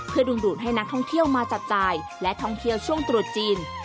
เพื่อดึงดูดให้นักท่องเที่ยวมาจับจ่ายและท่องเที่ยวช่วงตรวจจีน